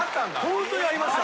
ホントにありました。